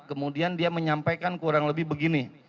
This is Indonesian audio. kemudian dia menyampaikan kurang lebih begini